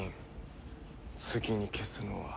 次に消すのは。